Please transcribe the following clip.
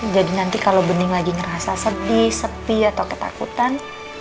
jadi nanti kalau pening lagi ngerasa sedih sepi atau ketakutan